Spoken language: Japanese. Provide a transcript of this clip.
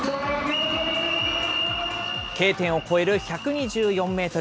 Ｋ点を超える１２４メートル。